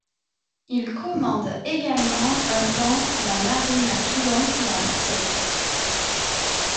Il commande également un temps la Marine à Toulon et à Marseille.